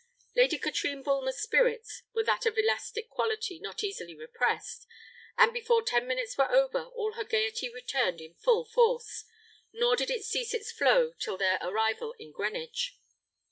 Lady Katrine Bulmer's spirits were of that elastic quality not easily repressed; and before ten minutes were over, all her gaiety returned in full force, nor did it cease its flow till their arrival in Greenwich.